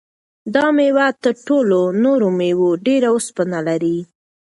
دا مېوه تر ټولو نورو مېوو ډېر اوسپنه لري.